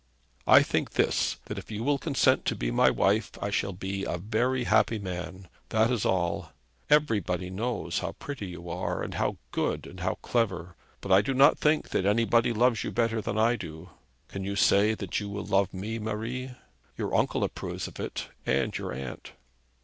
'I think this, that if you will consent to be my wife, I shall be a very happy man. That is all. Everybody knows how pretty you are, and how good, and how clever; but I do not think that anybody loves you better than I do. Can you say that you will love me, Marie? Your uncle approves of it, and your aunt.'